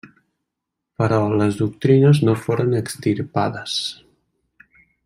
Però les doctrines no foren extirpades.